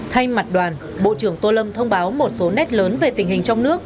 thay mặt đoàn bộ trưởng tô lâm thông báo một số nét lớn về tình hình trong nước